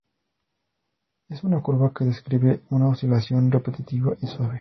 Es una curva que describe una oscilación repetitiva y suave.